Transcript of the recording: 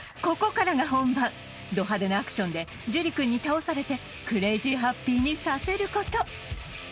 ここからが本番ど派手なアクションでジュリ君に倒されてクレイジーハッピーにさせること！